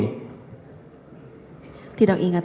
tidak ingat tetap tidak ingat